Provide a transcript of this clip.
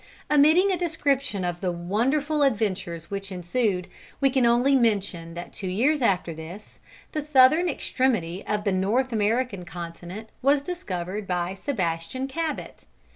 Omitting a description of the wonderful adventures which ensued, we can only mention that two years after this, the southern extremity of the North American continent was discovered by Sebastian Cabot.